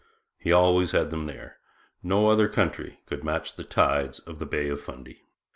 "' He always had them there no other country could match the tides of the Bay of Fundy.